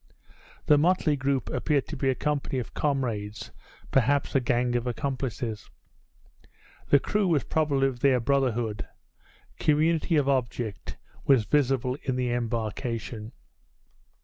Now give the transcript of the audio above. The motley group appeared to be a company of comrades, perhaps a gang of accomplices. The crew was probably of their brotherhood. Community of object was visible in the embarkation.